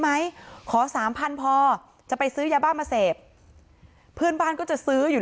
ไหมขอสามพันพอจะไปซื้อยาบ้ามาเสพเพื่อนบ้านก็จะซื้ออยู่